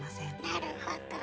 なるほど。